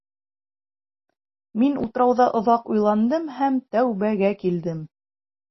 Мин утрауҙа оҙаҡ уйландым һәм тәүбәгә килдем.